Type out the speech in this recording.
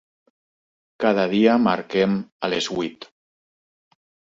Cada dia marquem a les vuit.